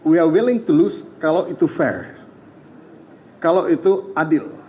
dan menang kita ingin menang kalau itu adil